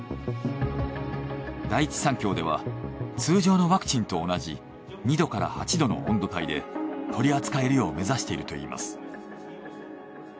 第一三共では通常のワクチンと同じ２℃から８℃の温度帯で取り扱えるよう目指しているといいます。